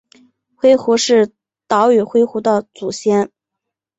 灰狐是岛屿灰狐的祖先。